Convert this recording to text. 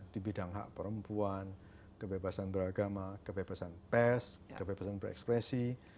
di bidang hak perempuan kebebasan beragama kebebasan pers kebebasan berekspresi